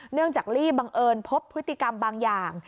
จากลี่บังเอิญพบพฤติกรรมบางอย่าง